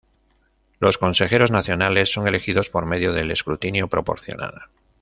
Los consejeros nacionales son elegidos por medio del escrutinio proporcional.